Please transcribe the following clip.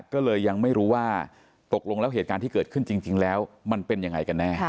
ก็เลยยังไม่รู้ว่าตกลงแล้วเหตุการณ์ที่เกิดขึ้นจริงแล้วมันเป็นยังไงกันแน่